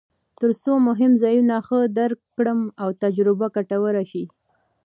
ترڅو مهم ځایونه ښه درک کړم او تجربه ګټوره شي.